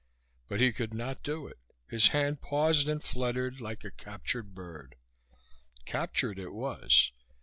But he could not do it. His hand paused and fluttered, like a captured bird. Captured it was.